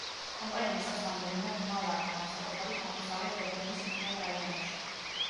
კომპანიას აქვს რამდენიმე ბრმა ლაქა, განსაკუთრებით აღმოსავლეთ რეგიონის მთიან რაიონებში.